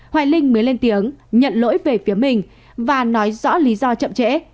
hoài linh mới lên tiếng nhận lỗi về phía mình và nói rõ lý do chậm trễ